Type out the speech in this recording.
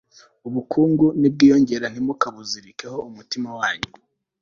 ubukungu nibwiyongera, ntimukabuzirikeho umutima wanyu